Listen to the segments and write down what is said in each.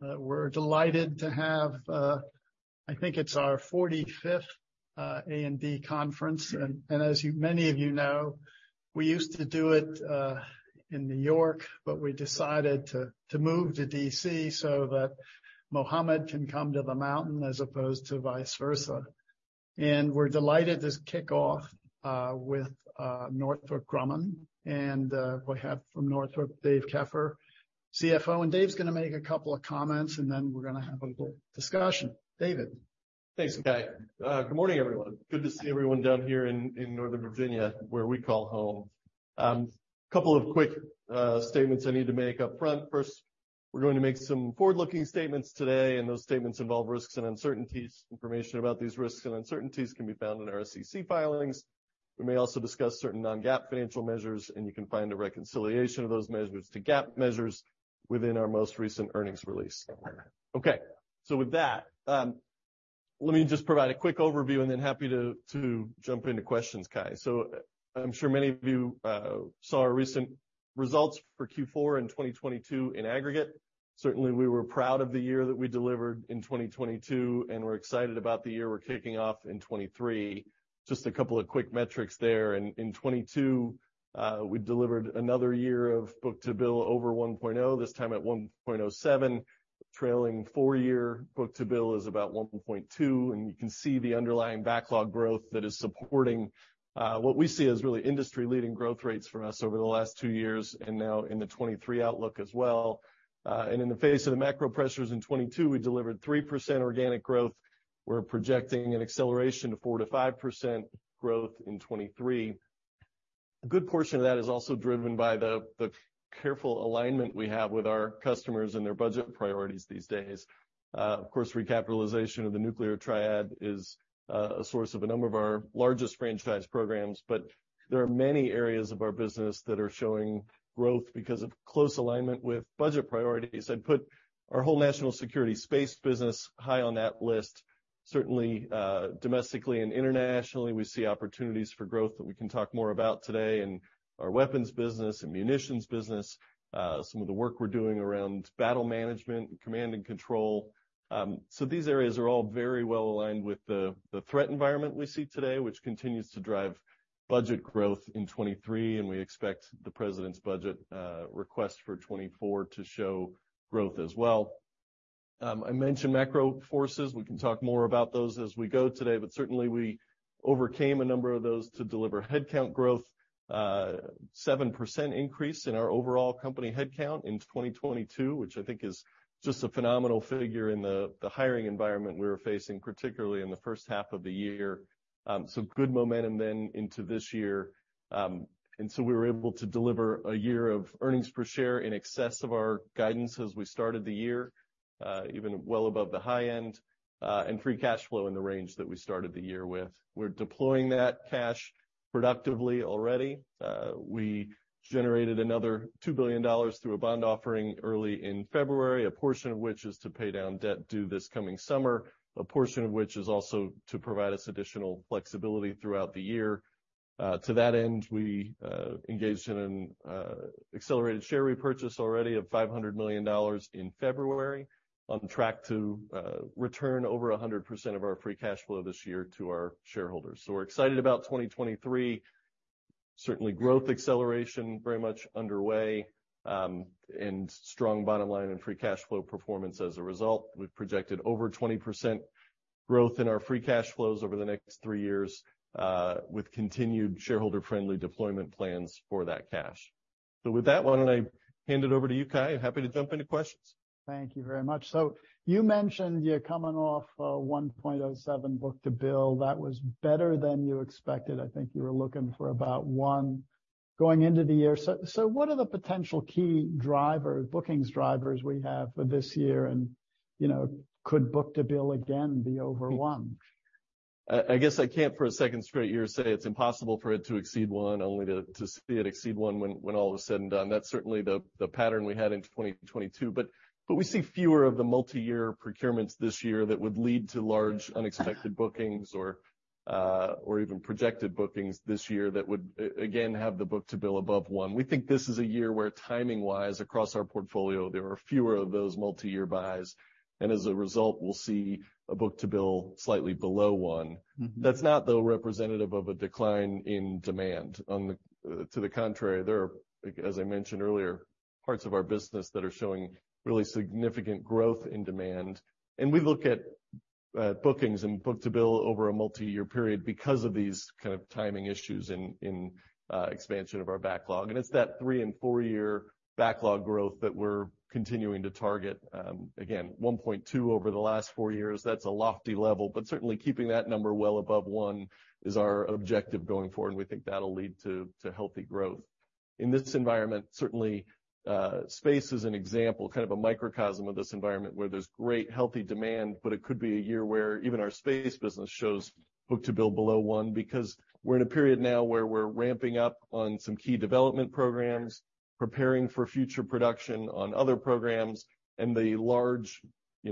We're delighted to have, I think it's our 45th A&D Conference. As many of you know, we used to do it in New York, but we decided to move to D.C. so that Mohammad can come to the mountain as opposed to vice versa. We're delighted to kick off with Northrop Grumman, and we have from Northrop, Dave Keffer, CFO. Dave's gonna make a couple of comments, and then we're gonna have a discussion. David. Thanks, Cai. Good morning, everyone. Good to see everyone down here in northern Virginia, where we call home. Couple of quick statements I need to make up front. First, we're going to make some forward-looking statements today, and those statements involve risks and uncertainties. Information about these risks and uncertainties can be found in our SEC filings. We may also discuss certain non-GAAP financial measures, and you can find a reconciliation of those measures to GAAP measures within our most recent earnings release. Okay. With that, let me just provide a quick overview, and then happy to jump into questions, Cai. I'm sure many of you saw our recent results for Q4 in 2022 in aggregate. Certainly, we were proud of the year that we delivered in 2022, and we're excited about the year we're kicking off in 2023. Just a couple of quick metrics there. In 2022, we delivered another year of book-to-bill over 1.0, this time at 1.07. Trailing 4-year book-to-bill is about 1.2, and you can see the underlying backlog growth that is supporting what we see as really industry-leading growth rates for us over the last 2 years, and now in the 2023 outlook as well. In the face of the macro pressures in 2022, we delivered 3% organic growth. We're projecting an acceleration to 4%-5% growth in 2023. A good portion of that is also driven by the careful alignment we have with our customers and their budget priorities these days. Of course, recapitalization of the nuclear triad is a source of a number of our largest franchise programs, but there are many areas of our business that are showing growth because of close alignment with budget priorities. I'd put our whole national security space business high on that list. Certainly, domestically and internationally, we see opportunities for growth that we can talk more about today. In our weapons business and munitions business, some of the work we're doing around battle management and command and control. These areas are all very well aligned with the threat environment we see today, which continues to drive budget growth in 2023, and we expect the president's budget request for 2024 to show growth as well. I mentioned macro forces. We can talk more about those as we go today. Certainly, we overcame a number of those to deliver headcount growth. 7% increase in our overall company headcount in 2022, which I think is just a phenomenal figure in the hiring environment we were facing, particularly in the first half of the year. Good momentum then into this year. We were able to deliver a year of earnings per share in excess of our guidance as we started the year, even well above the high end, and free cash flow in the range that we started the year with. We're deploying that cash productively already. We generated another $2 billion through a bond offering early in February, a portion of which is to pay down debt due this coming summer, a portion of which is also to provide us additional flexibility throughout the year. To that end, we engaged in an accelerated share repurchase already of $500 million in February. On track to return over 100% of our free cash flow this year to our shareholders. We're excited about 2023. Certainly growth acceleration very much underway, and strong bottom line and free cash flow performance as a result. We've projected over 20% growth in our free cash flows over the next three years, with continued shareholder-friendly deployment plans for that cash. With that, why don't I hand it over to you, Cai? I'm happy to jump into questions. Thank you very much. You mentioned you're coming off a 1.07 book-to-bill. That was better than you expected. I think you were looking for about 1 going into the year. What are the potential key bookings drivers we have for this year? You know, could book-to-bill again be over 1? I guess I can't for a second straight year say it's impossible for it to exceed one, only to see it exceed one when all is said and done. That's certainly the pattern we had in 2022. We see fewer of the multi-year procurements this year that would lead to large unexpected bookings or even projected bookings this year that would again have the book-to-bill above one. We think this is a year where timing-wise across our portfolio, there are fewer of those multi-year buys, and as a result, we'll see a book-to-bill slightly below one. That's not, though, representative of a decline in demand. On the contrary, there are, as I mentioned earlier, parts of our business that are showing really significant growth in demand. We look at bookings and book-to-bill over a multi-year period because of these kind of timing issues in expansion of our backlog. It's that 3- and 4-year backlog growth that we're continuing to target. Again, 1.2 over the last 4 years, that's a lofty level. Certainly keeping that number well above 1 is our objective going forward, and we think that'll lead to healthy growth. In this environment, certainly, space is an example, kind of a microcosm of this environment where there's great healthy demand, but it could be a year where even our space business shows book-to-bill below one because we're in a period now where we're ramping up on some key development programs, preparing for future production on other programs, and the You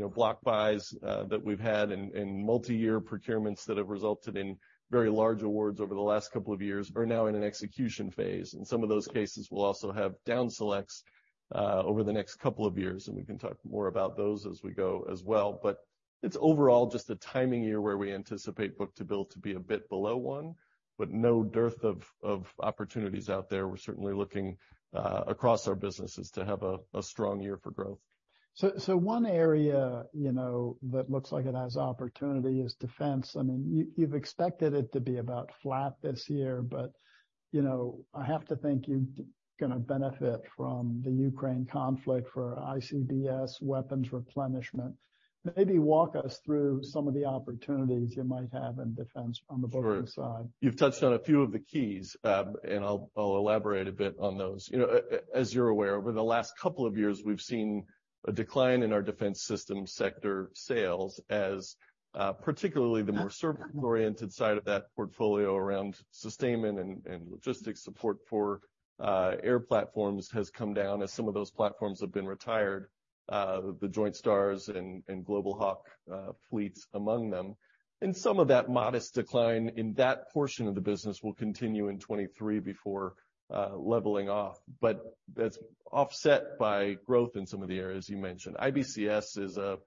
know, block buys, that we've had and multi-year procurements that have resulted in very large awards over the last couple of years are now in an execution phase. In some of those cases, we'll also have down selects, over the next couple of years, and we can talk more about those as we go as well. It's overall just a timing year where we anticipate book-to-bill to be a bit below one, but no dearth of opportunities out there. We're certainly looking across our businesses to have a strong year for growth. One area, you know, that looks like it has opportunity is defense. I mean, you've expected it to be about flat this year, but, you know, I have to think you're gonna benefit from the Ukraine conflict for IBCS weapons replenishment. Maybe walk us through some of the opportunities you might have in defense on the booking side? Sure. You've touched on a few of the keys, and I'll elaborate a bit on those. You know, as you're aware, over the last couple of years, we've seen a decline in our defense system sector sales as particularly the more service-oriented side of that portfolio around sustainment and logistics support for air platforms has come down as some of those platforms have been retired. The Joint STARS and Global Hawk fleets among them. Some of that modest decline in that portion of the business will continue in 23 before leveling off. That's offset by growth in some of the areas you mentioned. IBCS is a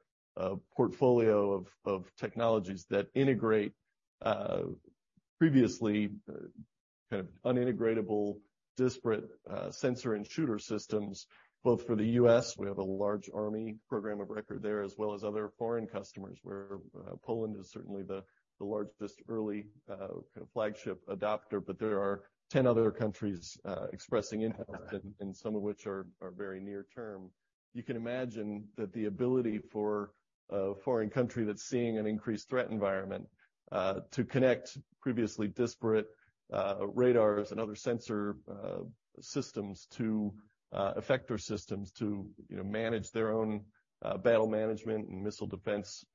portfolio of technologies that integrate previously kind of unintegratable, disparate sensor and shooter systems, both for the U.S. We have a large U.S. Army program of record there, as well as other foreign customers, where Poland is certainly the largest early kind of flagship adopter. There are 10 other countries expressing interest and some of which are very near term. You can imagine that the ability for a foreign country that's seeing an increased threat environment to connect previously disparate radars and other sensor systems to effector systems to, you know, manage their own battle management and missile defense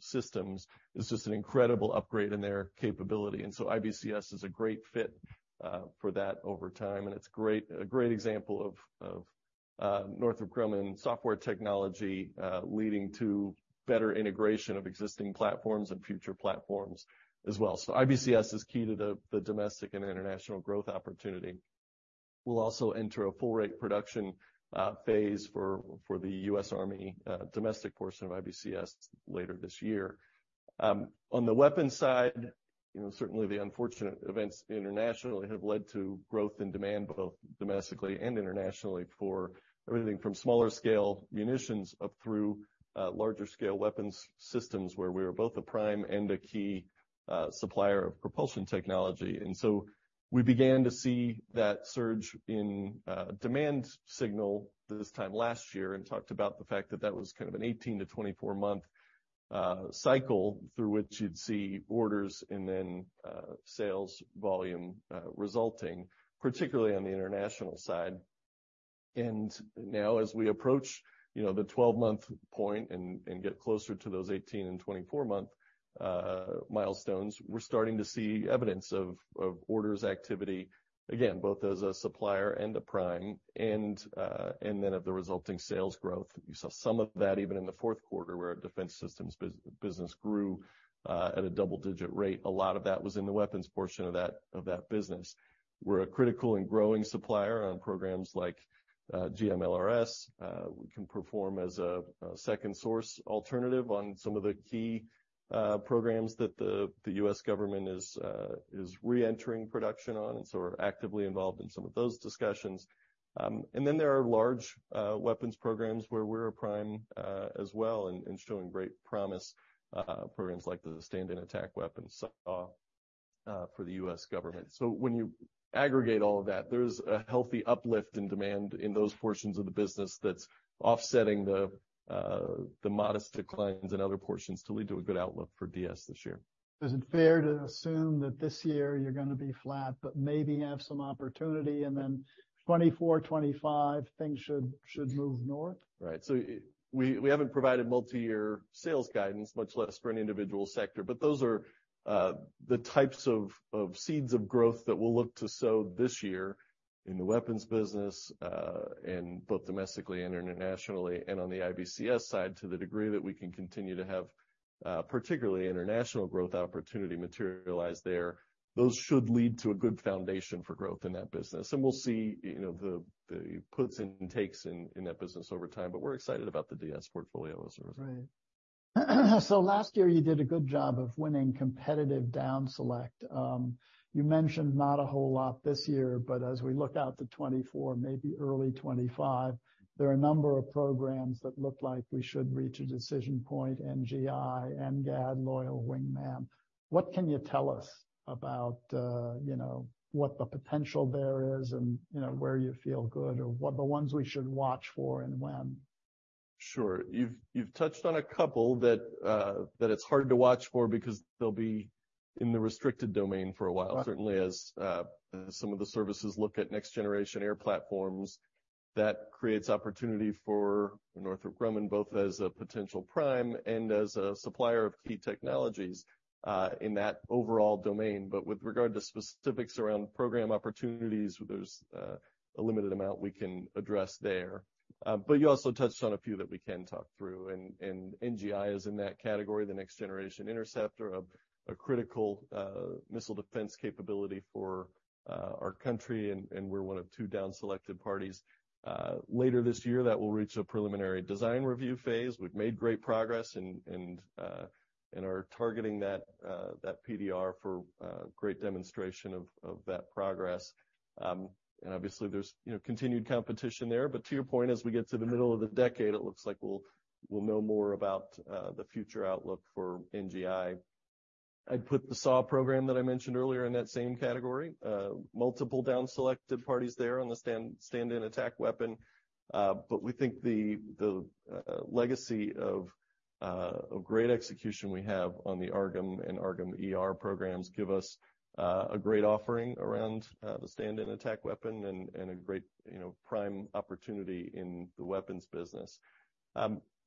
systems is just an incredible upgrade in their capability. IBCS is a great fit for that over time, and it's a great example of Northrop Grumman software technology leading to better integration of existing platforms and future platforms as well. IBCS is key to the domestic and international growth opportunity. We'll also enter a full rate production phase for the U.S. Army domestic portion of IBCS later this year. On the weapons side, you know, certainly the unfortunate events internationally have led to growth and demand, both domestically and internationally for everything from smaller scale munitions up through larger scale weapons systems, where we are both a prime and a key supplier of propulsion technology. We began to see that surge in demand signal this time last year and talked about the fact that that was kind of an 18-24 month cycle through which you'd see orders and then sales volume resulting, particularly on the international side. Now as we approach, you know, the 12-month point and get closer to those 18 and 24 month milestones, we're starting to see evidence of orders activity, again, both as a supplier and a prime, and then of the resulting sales growth. You saw some of that even in the fourth quarter, where our defense systems business grew at a double-digit rate. A lot of that was in the weapons portion of that business. We're a critical and growing supplier on programs like GMLRS. We can perform as a second source alternative on some of the key programs that the U.S. government is re-entering production on. We're actively involved in some of those discussions. There are large weapons programs where we're a prime as well and showing great promise, programs like the Stand-in Attack Weapon SiAW for the U.S. government. When you aggregate all of that, there's a healthy uplift in demand in those portions of the business that's offsetting the modest declines in other portions to lead to a good outlook for DS this year. Is it fair to assume that this year you're gonna be flat but maybe have some opportunity and then 2024, 2025 things should move north? Right. We haven't provided multi-year sales guidance, much less for an individual sector, but those are the types of seeds of growth that we'll look to sow this year in the weapons business, and both domestically and internationally, and on the IBCS side to the degree that we can continue to have particularly international growth opportunity materialize there. Those should lead to a good foundation for growth in that business. We'll see, you know, the puts and takes in that business over time, but we're excited about the DS portfolio as a result. Right. Last year you did a good job of winning competitive down select. You mentioned not a whole lot this year, but as we look out to 2024, maybe early 2025, there are a number of programs that look like we should reach a decision point, NGI, NGAD, Loyal Wingman. What can you tell us about, you know, what the potential there is and, you know, where you feel good, or what the ones we should watch for and when? Sure. You've touched on a couple that it's hard to watch for because they'll be in the restricted domain for a while. Right. Certainly as some of the services look at next generation air platforms, that creates opportunity for Northrop Grumman, both as a potential prime and as a supplier of key technologies in that overall domain. With regard to specifics around program opportunities, there's a limited amount we can address there. You also touched on a few that we can talk through and NGI is in that category, the Next Generation Interceptor, a critical missile defense capability for our country. We're one of two down selected parties. Later this year, that will reach a preliminary design review phase. We've made great progress and are targeting that PDR for great demonstration of that progress. Obviously there's, you know, continued competition there. To your point, as we get to the middle of the decade, it looks like we'll know more about the future outlook for NGI. I'd put the SiAW program that I mentioned earlier in that same category. Multiple down selected parties there on the Stand-in Attack Weapon. We think the legacy of great execution we have on the AARGM and AARGM-ER programs give us a great offering around the Stand-in Attack Weapon and a great, you know, prime opportunity in the weapons business.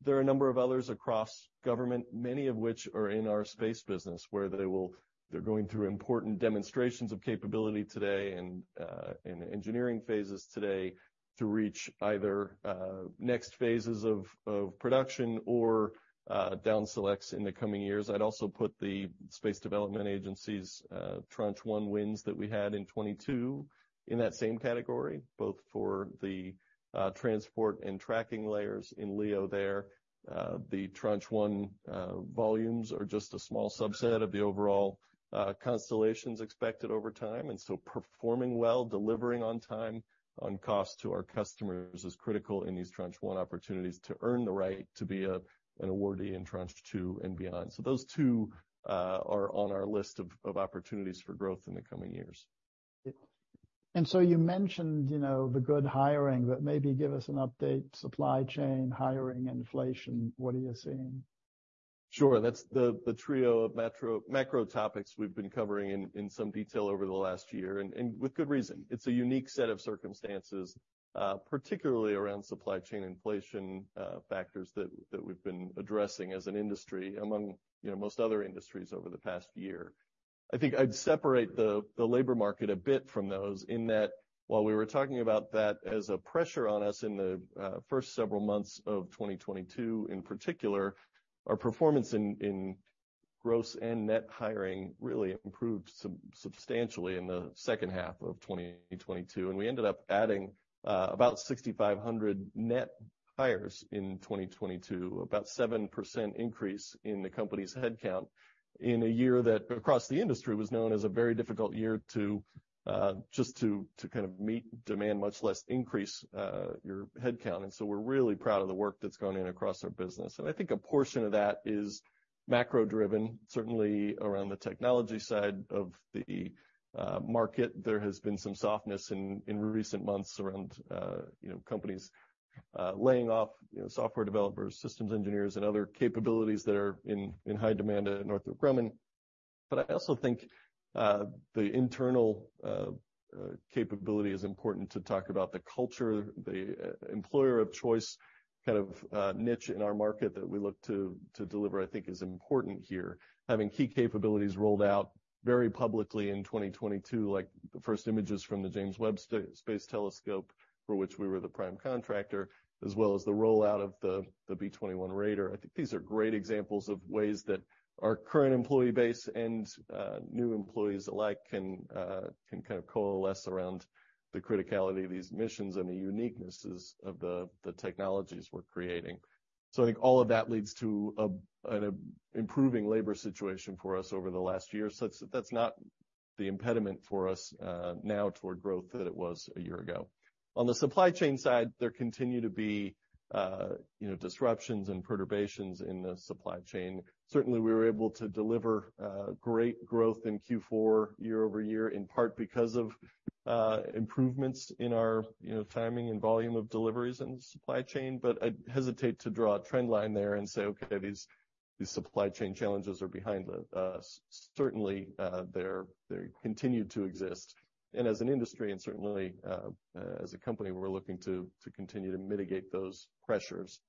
There are a number of others across government, many of which are in our space business, where they're going through important demonstrations of capability today and engineering phases today to reach either next phases of production or down selects in the coming years. I'd also put the Space Development Agency's Tranche one wins that we had in 2022 in that same category, both for the Transport and Tracking Layers in LEO there. The Tranche 1 volumes are just a small subset of the overall constellations expected over time, and so performing well, delivering on time, on cost to our customers is critical in these Tranche 1 opportunities to earn the right to be a, an awardee in Tranche 2 and beyond. Those two are on our list of opportunities for growth in the coming years. You mentioned, you know, the good hiring, but maybe give us an update, supply chain, hiring, inflation, what are you seeing? Sure. That's the trio of macro topics we've been covering in some detail over the last year, and with good reason. It's a unique set of circumstances, particularly around supply chain inflation, factors that we've been addressing as an industry among, you know, most other industries over the past year. I think I'd separate the labor market a bit from those in that while we were talking about that as a pressure on us in the, first several months of 2022 in particular, our performance in gross and net hiring really improved substantially in the second half of 2022. We ended up adding about 6,500 net hires in 2022, about 7% increase in the company's headcount in a year that across the industry was known as a very difficult year to just to kind of meet demand, much less increase your headcount. We're really proud of the work that's gone in across our business. I think a portion of that is macro-driven, certainly around the technology side of the market. There has been some softness in recent months around, you know, companies laying off, you know, software developers, systems engineers and other capabilities that are in high demand at Northrop Grumman. I also think the internal capability is important to talk about the culture, the employer of choice, kind of niche in our market that we look to deliver, I think is important here. Having key capabilities rolled out very publicly in 2022, like the first images from the James Webb Space Telescope, for which we were the prime contractor, as well as the rollout of the B-21 Raider. I think these are great examples of ways that our current employee base and new employees alike can kind of coalesce around the criticality of these missions and the uniquenesses of the technologies we're creating. I think all of that leads to an improving labor situation for us over the last year. That's, that's not the impediment for us, now toward growth that it was a year ago. On the supply chain side, there continue to be, you know, disruptions and perturbations in the supply chain. Certainly, we were able to deliver, great growth in Q4 year-over-year, in part because of, improvements in our, you know, timing and volume of deliveries in the supply chain. I'd hesitate to draw a trend line there and say, okay, these supply chain challenges are behind us. Certainly, they continue to exist. As an industry and certainly, as a company, we're looking to continue to mitigate those pressures.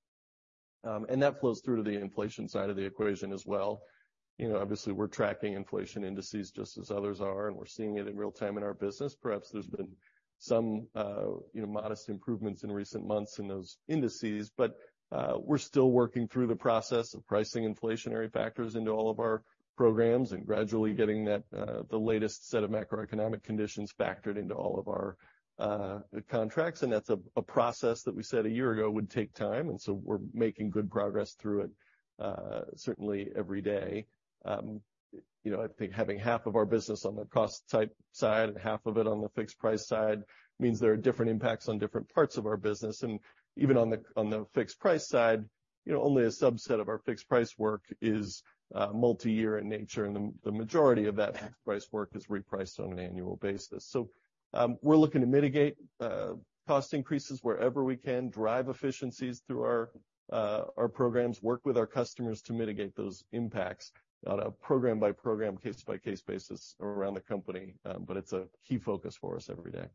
That flows through to the inflation side of the equation as well. You know, obviously we're tracking inflation indices just as others are, and we're seeing it in real time in our business. Perhaps there's been some, you know, modest improvements in recent months in those indices. We're still working through the process of pricing inflationary factors into all of our programs and gradually getting that, the latest set of macroeconomic conditions factored into all of our contracts. That's a process that we said a year ago would take time, we're making good progress through it certainly every day. You know, I think having half of our business on the cost side and half of it on the fixed price side means there are different impacts on different parts of our business. Even on the, on the fixed price side, you know, only a subset of our fixed price work is multi-year in nature, and the majority of that fixed price work is repriced on an annual basis. We're looking to mitigate cost increases wherever we can, drive efficiencies through our programs, work with our customers to mitigate those impacts on a program-by-program, case-by-case basis around the company. It's a key focus for us every day.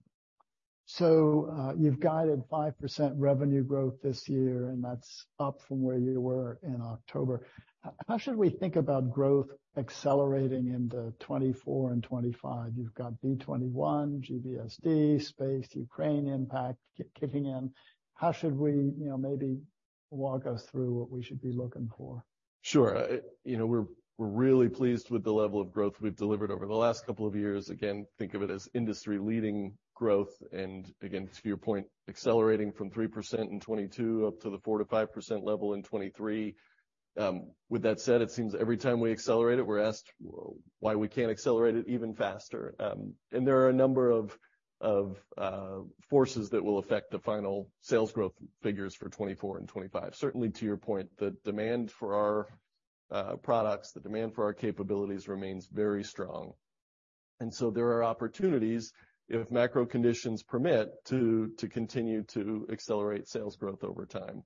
You've guided 5% revenue growth this year, and that's up from where you were in October. How should we think about growth accelerating into 2024 and 2025? You've got B-21, GBSD, space, Ukraine impact kicking in. How should we... You know, maybe walk us through what we should be looking for. Sure. You know, we're really pleased with the level of growth we've delivered over the last couple of years. Again, think of it as industry-leading growth, and again, to your point, accelerating from 3% in 2022 up to the 4%-5% level in 2023. With that said, it seems every time we accelerate it, we're asked why we can't accelerate it even faster. There are a number of forces that will affect the final sales growth figures for 2024 and 2025. Certainly, to your point, the demand for our products, the demand for our capabilities remains very strong. There are opportunities, if macro conditions permit, to continue to accelerate sales growth over time.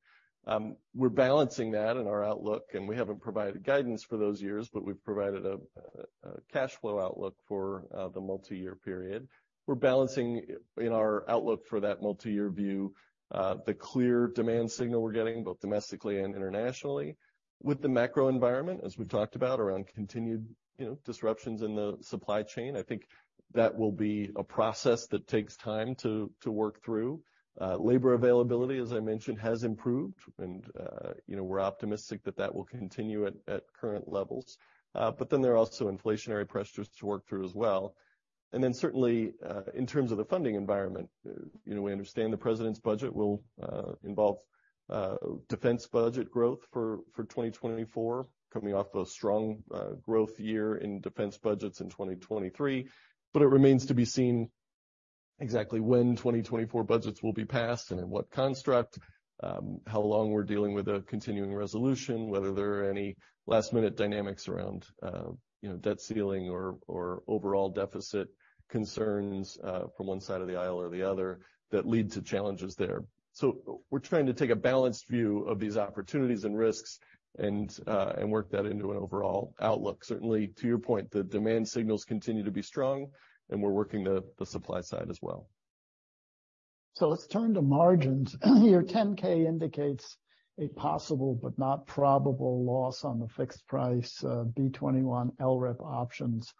We're balancing that in our outlook, and we haven't provided guidance for those years, but we've provided a cash flow outlook for, the multi-year period. We're balancing in our outlook for that multi-year view, the clear demand signal we're getting, both domestically and internationally, with the macro environment, as we've talked about, around continued, you know, disruptions in the supply chain. I think that will be a process that takes time to work through. Labor availability, as I mentioned, has improved, and, you know, we're optimistic that that will continue at current levels. There are also inflationary pressures to work through as well. Certainly, in terms of the funding environment, you know, we understand the president's budget will involve defense budget growth for 2024, coming off a strong growth year in defense budgets in 2023. It remains to be seen exactly when 2024 budgets will be passed and in what construct, how long we're dealing with a continuing resolution, whether there are any last-minute dynamics around, you know, debt ceiling or overall deficit concerns from one side of the aisle or the other that lead to challenges there. We're trying to take a balanced view of these opportunities and risks and work that into an overall outlook. Certainly, to your point, the demand signals continue to be strong, and we're working the supply side as well. Let's turn to margins. Your 10-K indicates a possible but not probable loss on the fixed price B-21 LRIP options.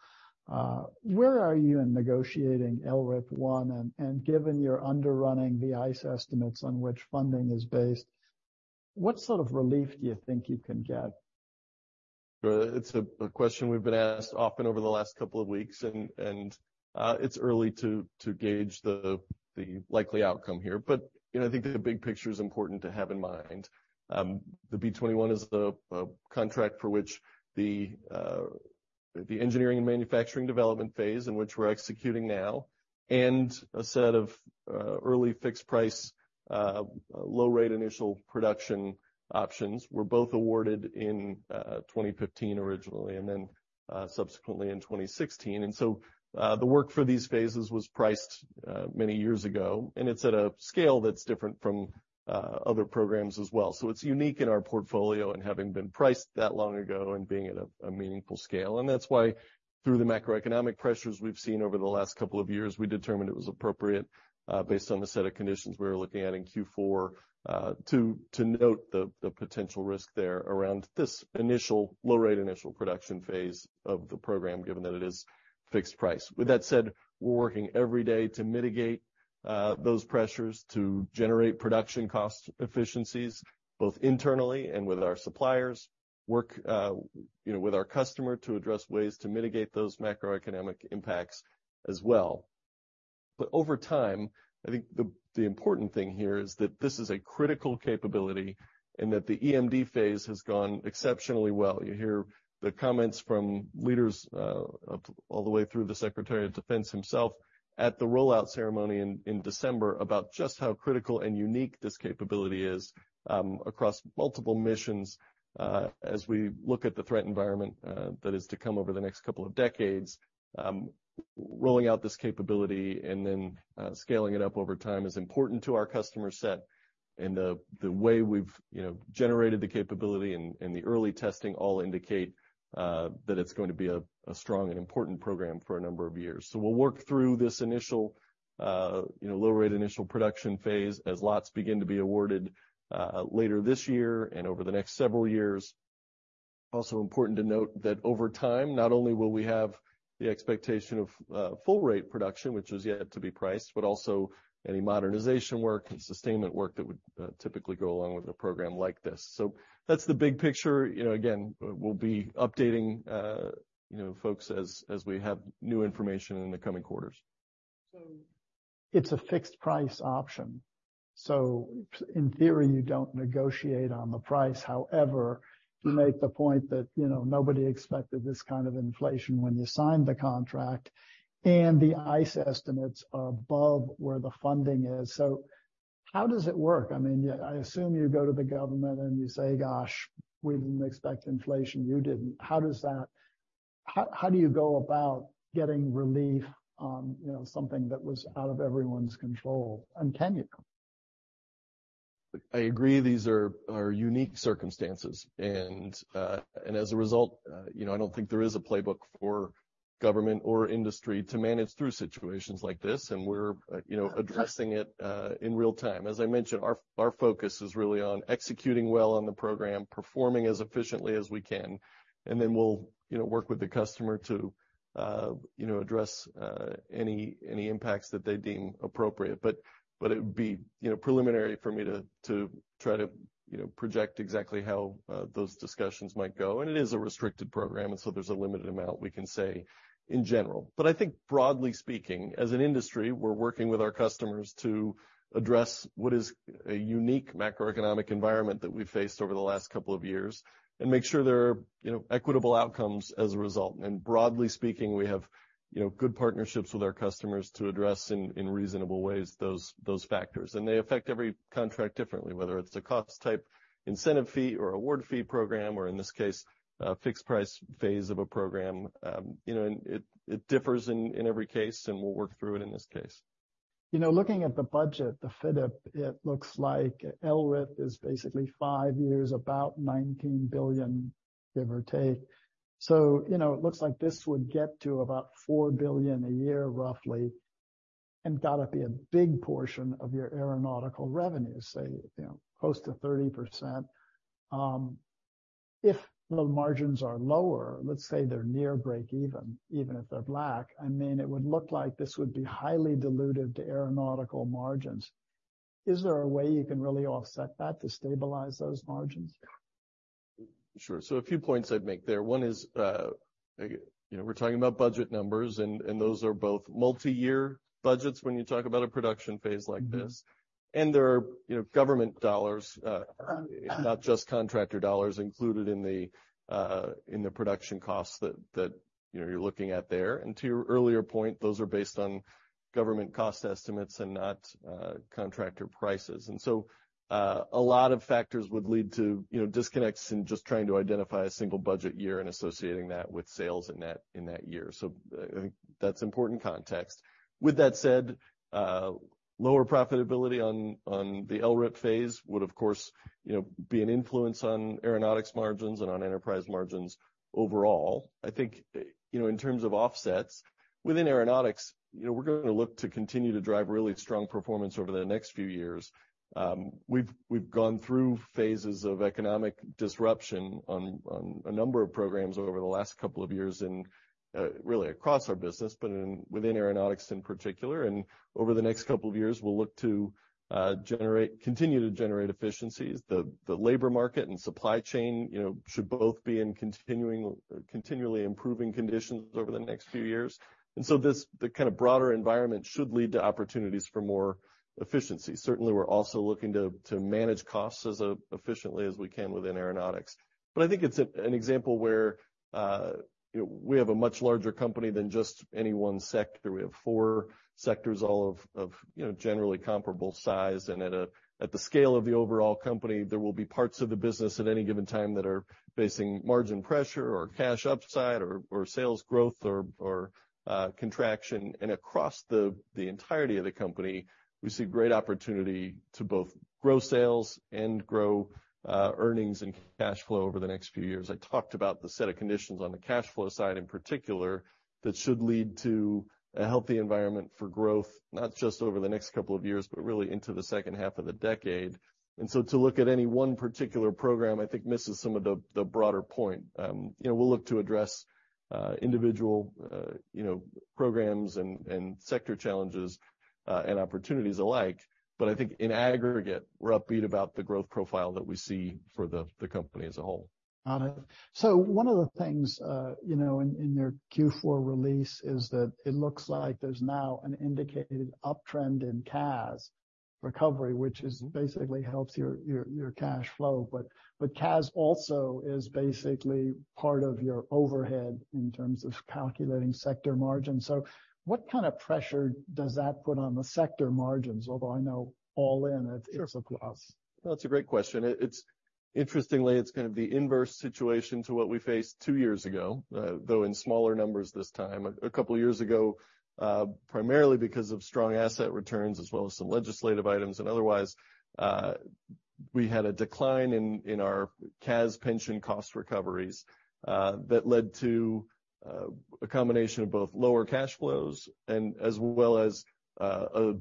Where are you in negotiating LRIP 1 and given your underrunning the ICE estimates on which funding is based, what sort of relief do you think you can get? It's a question we've been asked often over the last couple of weeks and, uh, it's early to gauge the likely outcome here. But, you know, I think the big picture is important to have in mind. The B-21 is the, contract for which the, uh, the engineering and manufacturing development phase in which we're executing now, and a set of, uh, early fixed price, uh, low-rate initial production options were both awarded in, uh, 2015 originally, and then, uh, subsequently in 2016. And so, uh, the work for these phases was priced, uh, many years ago, and it's at a scale that's different from, uh, other programs as well. So it's unique in our portfolio and having been priced that long ago and being at a meaningful scale. That's why through the macroeconomic pressures we've seen over the last couple of years, we determined it was appropriate, based on the set of conditions we were looking at in Q4, to note the potential risk there around this initial low-rate initial production phase of the program, given that it is fixed price. With that said, we're working every day to mitigate those pressures, to generate production cost efficiencies, both internally and with our suppliers. Work, you know, with our customer to address ways to mitigate those macroeconomic impacts as well. Over time, I think the important thing here is that this is a critical capability and that the EMD phase has gone exceptionally well. You hear the comments from leaders, all the way through the Secretary of Defense himself at the rollout ceremony in December about just how critical and unique this capability is across multiple missions. As we look at the threat environment that is to come over the next couple of decades, rolling out this capability and then scaling it up over time is important to our customer set. The way we've, you know, generated the capability and the early testing all indicate that it's going to be a strong and important program for a number of years. We'll work through this initial, you know, low-rate initial production phase as lots begin to be awarded later this year and over the next several years. Also important to note that over time, not only will we have the expectation of full rate production, which is yet to be priced, but also any modernization work and sustainment work that would typically go along with a program like this. That's the big picture. You know, again, we'll be updating, you know, folks as we have new information in the coming quarters. It's a fixed price option. In theory, you don't negotiate on the price. However, you make the point that, you know, nobody expected this kind of inflation when you signed the contract, and the ICE estimates are above where the funding is. How does it work? I mean, I assume you go to the government, and you say, "Gosh, we didn't expect inflation. You didn't." How do you go about getting relief on, you know, something that was out of everyone's control? Can you? I agree these are unique circumstances. As a result, you know, I don't think there is a playbook for government or industry to manage through situations like this, and we're, you know, addressing it in real time. As I mentioned, our focus is really on executing well on the program, performing as efficiently as we can, and then we'll, you know, work with the customer to, you know, address any impacts that they deem appropriate. But it would be, you know, preliminary for me to try to, you know, project exactly how those discussions might go. It is a restricted program, so there's a limited amount we can say in general. I think broadly speaking, as an industry, we're working with our customers to address what is a unique macroeconomic environment that we faced over the last couple of years and make sure there are, you know, equitable outcomes as a result. Broadly speaking, we have, you know, good partnerships with our customers to address in reasonable ways, those factors. They affect every contract differently, whether it's a cost-type incentive fee or award fee program, or in this case, a fixed price phase of a program. You know, and it differs in every case, and we'll work through it in this case. You know, looking at the budget, the FYDP, it looks like LRIP is basically five years, about $19 billion, give or take. You know, it looks like this would get to about $4 billion a year roughly, and gotta be a big portion of your aeronautical revenue, say, you know, close to 30%. If the margins are lower, let's say they're near breakeven, even if they're black, I mean, it would look like this would be highly dilutive to aeronautical margins. Is there a way you can really offset that to stabilize those margins? Sure. A few points I'd make there. One is, you know, we're talking about budget numbers and those are both multi-year budgets when you talk about a production phase like this. Mm-hmm. There are, you know, government dollars, not just contractor dollars included in the production costs that, you know, you're looking at there. To your earlier point, those are based on government cost estimates and not contractor prices. So a lot of factors would lead to, you know, disconnects in just trying to identify a single budget year and associating that with sales in that year. I think that's important context. With that said, lower profitability on the LRIP phase would of course, you know, be an influence on Aeronautics margins and on enterprise margins overall. I think, you know, in terms of offsets within Aeronautics, you know, we're gonna look to continue to drive really strong performance over the next few years. We've gone through phases of economic disruption on a number of programs over the last couple of years and really across our business, but within Aeronautics in particular. Over the next couple of years, we'll look to continue to generate efficiencies. The labor market and supply chain, you know, should both be in continually improving conditions over the next few years. This, the kinda broader environment should lead to opportunities for more efficiency. Certainly, we're also looking to manage costs as efficiently as we can within Aeronautics. I think it's an example where, you know, we have a much larger company than just any one sector. We have four sectors, all of, you know, generally comparable size. At the scale of the overall company, there will be parts of the business at any given time that are facing margin pressure or cash upside or sales growth or contraction. Across the entirety of the company, we see great opportunity to both grow sales and grow earnings and cash flow over the next few years. I talked about the set of conditions on the cash flow side in particular that should lead to a healthy environment for growth, not just over the next couple of years, but really into the second half of the decade. To look at any one particular program, I think misses some of the broader point. You know, we'll look to address individual, you know, programs and sector challenges and opportunities alike. I think in aggregate, we're upbeat about the growth profile that we see for the company as a whole. Got it. One of the things, you know, in your Q4 release is that it looks like there's now an indicated uptrend in CAS recovery, which is basically helps your cash flow. CAS also is basically part of your overhead in terms of calculating sector margins. What kind of pressure does that put on the sector margins? Although I know all in it's- Sure. A plus. No, it's a great question. It's, interestingly, it's gonna be inverse situation to what we faced 2 years ago, though in smaller numbers this time. A couple years ago, primarily because of strong asset returns as well as some legislative items and otherwise, we had a decline in our CAS pension cost recoveries, that led to a combination of both lower cash flows and as well as a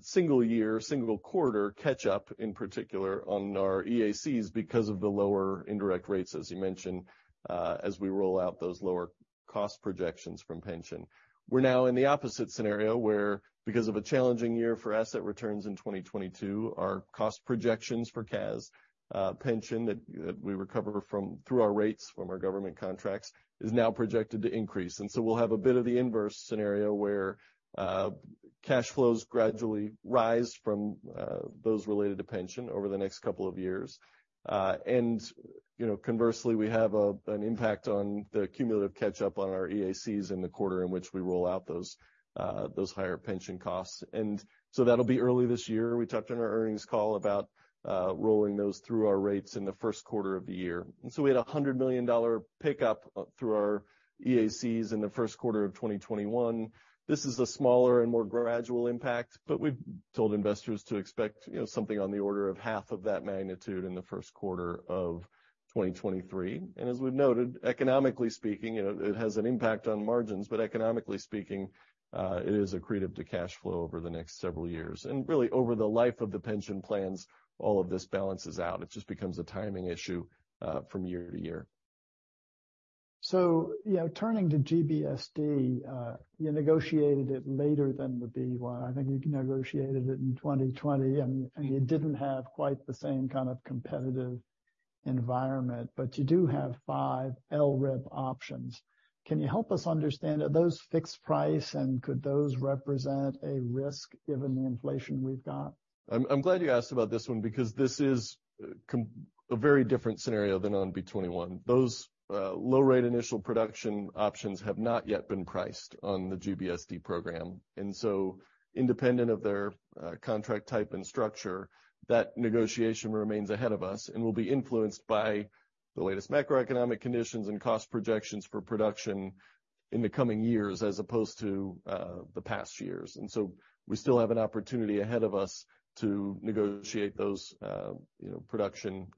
single year, single quarter catch-up in particular on our EACs because of the lower indirect rates, as you mentioned, as we roll out those lower cost projections from pension. We're now in the opposite scenario, where because of a challenging year for asset returns in 2022, our cost projections for CAS pension that we recover from through our rates from our government contracts, is now projected to increase. We'll have a bit of the inverse scenario where cash flows gradually rise from those related to pension over the next couple of years. And, you know, conversely, we have an impact on the cumulative catch-up on our EACs in the quarter in which we roll out those higher pension costs. That'll be early this year. We talked on our earnings call about rolling those through our rates in the first quarter of the year. We had a $100 million pickup through our EACs in the first quarter of 2021. This is a smaller and more gradual impact, but we've told investors to expect, you know, something on the order of half of that magnitude in the first quarter of 2023. As we've noted, economically speaking, you know, it has an impact on margins, but economically speaking, it is accretive to cash flow over the next several years. Really over the life of the pension plans, all of this balances out. It just becomes a timing issue, from year to year. You know, turning to GBSD, you negotiated it later than the B-1. I think you negotiated it in 2020, and you didn't have quite the same kind of competitive environment, but you do have 5 LRIP options. Can you help us understand, are those fixed price, and could those represent a risk given the inflation we've got? I'm glad you asked about this one, because this is a very different scenario than on B-21. Those low-rate initial production options have not yet been priced on the GBSD program. Independent of their contract type and structure, that negotiation remains ahead of us and will be influenced by the latest macroeconomic conditions and cost projections for production in the coming years as opposed to the past years. We still have an opportunity ahead of us to negotiate those, you know, production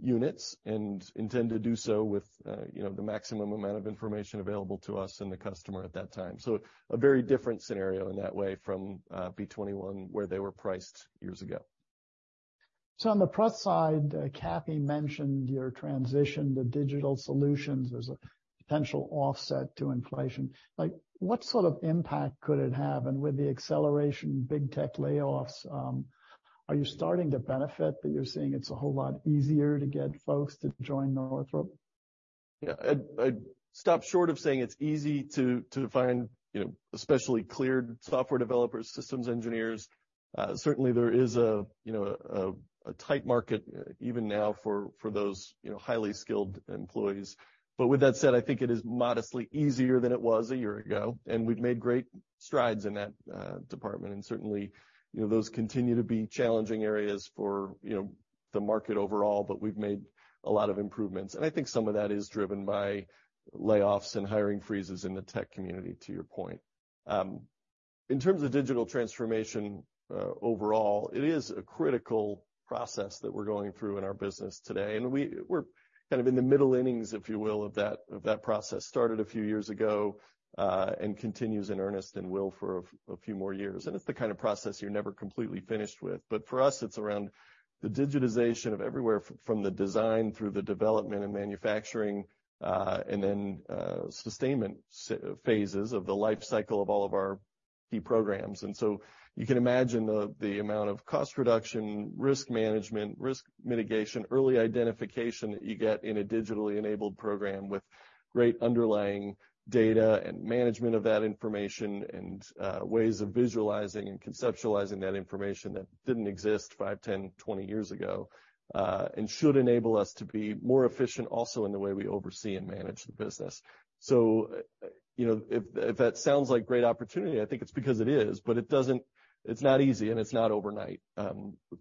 units and intend to do so with, you know, the maximum amount of information available to us and the customer at that time. A very different scenario in that way from B-21, where they were priced years ago. On the press side, Kathy mentioned your transition to digital solutions as a potential offset to inflation. Like, what sort of impact could it have? With the acceleration in big tech layoffs, are you starting to benefit that you're seeing it's a whole lot easier to get folks to join Northrop? Yeah. I'd stop short of saying it's easy to find, you know, especially cleared software developers, systems engineers. Certainly there is a, you know, a tight market even now for those, you know, highly skilled employees. With that said, I think it is modestly easier than it was 1 year ago, and we've made great strides in that department. Certainly, you know, those continue to be challenging areas for, you know, the market overall, but we've made a lot of improvements. I think some of that is driven by layoffs and hiring freezes in the tech community, to your point. In terms of digital transformation, overall, it is a critical process that we're going through in our business today, and we're kind of in the middle innings, if you will, of that process. Started a few years ago, continues in earnest and will for a few more years. It's the kind of process you're never completely finished with. For us, it's around the digitization of everywhere from the design through the development and manufacturing, and then sustainment phases of the life cycle of all of our key programs. You can imagine the amount of cost reduction, risk management, risk mitigation, early identification that you get in a digitally enabled program with great underlying data and management of that information and ways of visualizing and conceptualizing that information that didn't exist 5, 10, 20 years ago, and should enable us to be more efficient also in the way we oversee and manage the business. You know, if that sounds like great opportunity, I think it's because it is, but it's not easy, and it's not overnight.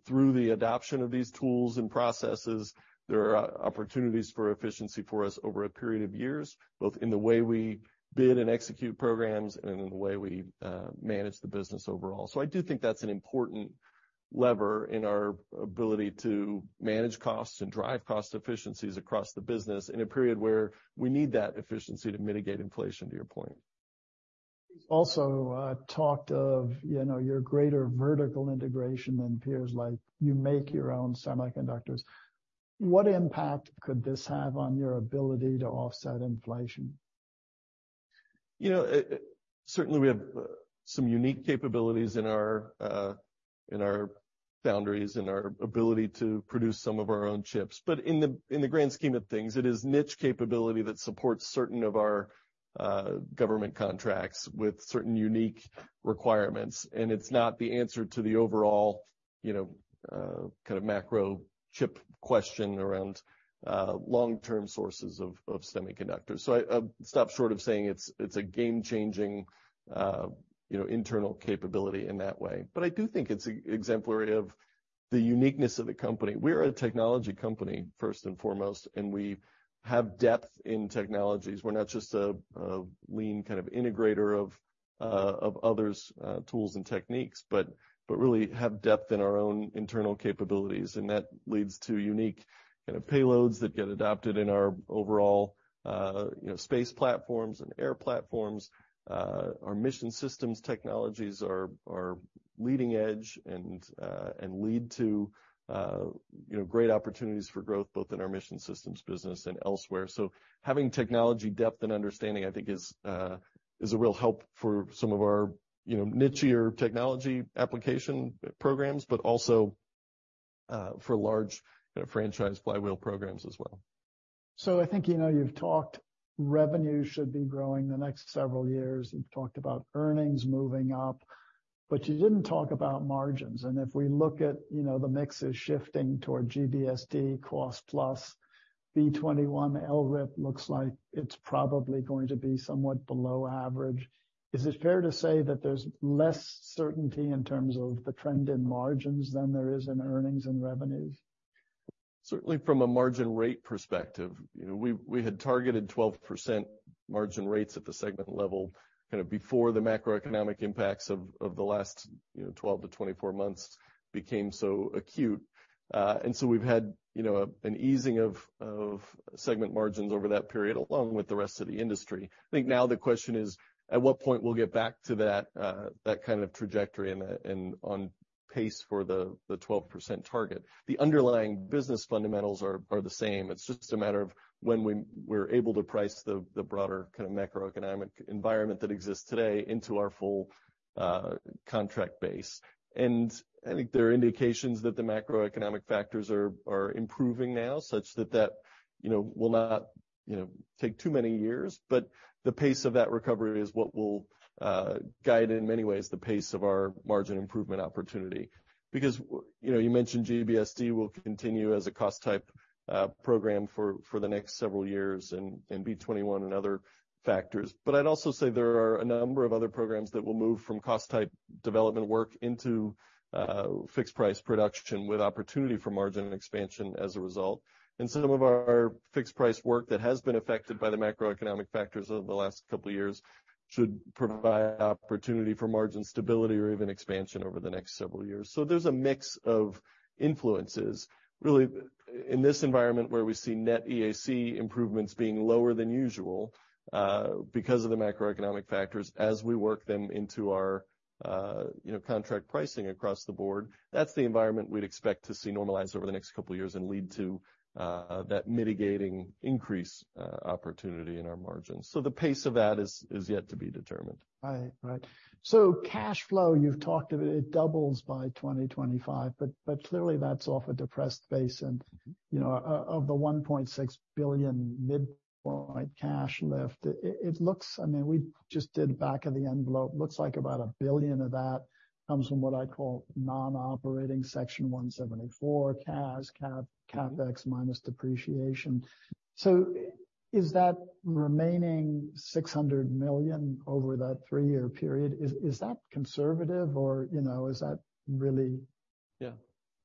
Through the adoption of these tools and processes, there are opportunities for efficiency for us over a period of years, both in the way we bid and execute programs and in the way we manage the business overall. I do think that's an important lever in our ability to manage costs and drive cost efficiencies across the business in a period where we need that efficiency to mitigate inflation to your point. Talked of, you know, your greater vertical integration than peers, like you make your own semiconductors. What impact could this have on your ability to offset inflation? You know, certainly we have some unique capabilities in our boundaries and our ability to produce some of our own chips. In the grand scheme of things, it is niche capability that supports certain of our government contracts with certain unique requirements. It's not the answer to the overall, you know, kind of macro chip question around long-term sources of semiconductors. I stop short of saying it's a game-changing, you know, internal capability in that way. I do think it's exemplary of the uniqueness of the company. We're a technology company first and foremost, and we have depth in technologies. We're not just a lean kind of integrator of others, tools and techniques, but really have depth in our own internal capabilities, and that leads to unique kind of payloads that get adopted in our overall, you know, space platforms and air platforms. Our mission systems technologies are leading edge and lead to, you know, great opportunities for growth, both in our mission systems business and elsewhere. Having technology depth and understanding, I think is a real help for some of our, you know, niche-ier technology application programs, but also for large kind of franchise flywheel programs as well. I think, you know, you've talked revenue should be growing the next several years. You've talked about earnings moving up, but you didn't talk about margins. If we look at, you know, the mix is shifting toward GBSD cost plus B-21, LRIP looks like it's probably going to be somewhat below average. Is it fair to say that there's less certainty in terms of the trend in margins than there is in earnings and revenues? Certainly from a margin rate perspective. You know, we had targeted 12% margin rates at the segment level kind of before the macroeconomic impacts of the last, you know, 12-24 months became so acute. We've had, you know, an easing of segment margins over that period, along with the rest of the industry. I think now the question is, at what point we'll get back to that kind of trajectory and on pace for the 12% target. The underlying business fundamentals are the same. It's just a matter of when we're able to price the broader kind of macroeconomic environment that exists today into our full contract base. I think there are indications that the macroeconomic factors are improving now, such that, you know, will not, you know, take too many years. The pace of that recovery is what will guide, in many ways, the pace of our margin improvement opportunity. You know, you mentioned GBSD will continue as a cost-type program for the next several years and B-21 and other factors. I'd also say there are a number of other programs that will move from cost-type development work into fixed price production with opportunity for margin expansion as a result. Some of our fixed price work that has been affected by the macroeconomic factors over the last couple of years should provide opportunity for margin stability or even expansion over the next several years. There's a mix of influences really in this environment where we see net EAC improvements being lower than usual because of the macroeconomic factors as we work them into our, you know, contract pricing across the board. That's the environment we'd expect to see normalize over the next couple of years and lead to that mitigating increase opportunity in our margins. The pace of that is yet to be determined. Right. Right. Cash flow, you've talked, it doubles by 2025, but clearly that's off a depressed base. You know, of the $1.6 billion midpoint cash lift, it looks... I mean, we just did back of the envelope, looks like about $1 billion of that comes from what I call non-operating section 174 CAS, CAP, CapEx minus depreciation. Is that remaining $600 million over that three-year period, is that conservative or, you know, is that really?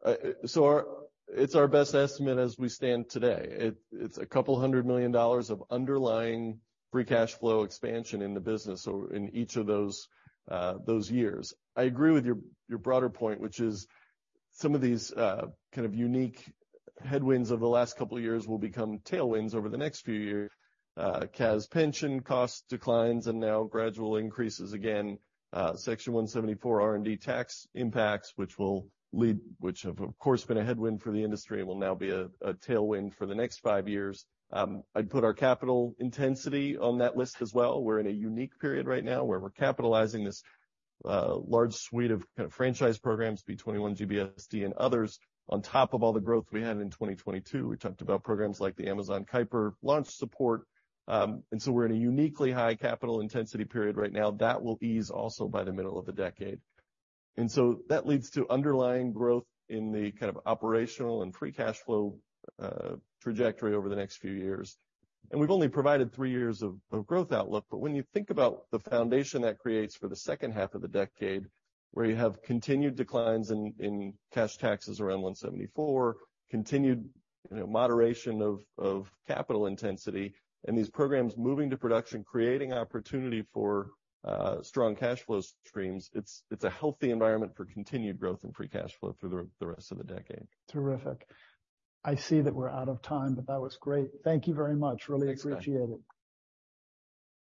It's our best estimate as we stand today. It's a $200 million of underlying free cash flow expansion in the business or in each of those years. I agree with your broader point, which is some of these kind of unique headwinds over the last couple of years will become tailwinds over the next few years. CAS pension cost declines and now gradual increases again. section 174 R&D tax impacts, which have, of course, been a headwind for the industry and will now be a tailwind for the next 5 years. I'd put our capital intensity on that list as well. We're in a unique period right now where we're capitalizing this large suite of kind of franchise programs, B-21, GBSD and others on top of all the growth we had in 2022. We talked about programs like the Project Kuiper launch support. We're in a uniquely high capital intensity period right now. That will ease also by the middle of the decade. That leads to underlying growth in the kind of operational and free cash flow trajectory over the next few years. We've only provided 3 years of growth outlook. When you think about the foundation that creates for the second half of the decade, where you have continued declines in cash taxes around section 174, continued, you know, moderation of capital intensity, and these programs moving to production, creating opportunity for strong cash flow streams, it's a healthy environment for continued growth and free cash flow through the rest of the decade. Terrific. I see that we're out of time, but that was great. Thank you very much. Really appreciate it.